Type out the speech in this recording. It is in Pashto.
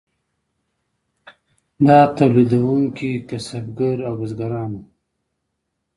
دا تولیدونکي کسبګر او بزګران وو.